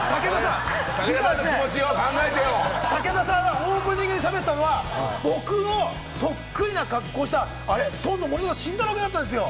実は武田さんはオープニングで喋ってたのは、僕のそっくりな格好したＳｉｘＴＯＮＥＳの森本慎太郎君なんですよ！